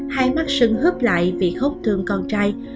hai mắt sưng hớp lại vì hốc thương con trai